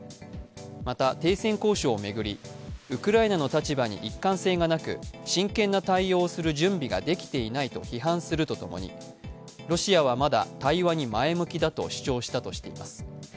また、停戦交渉を巡り、ウクライナの立場に一貫性がなく真剣な対応をする準備ができていないと批判するとともに、ロシアはまだ、対話に前向きだと主張したとしています。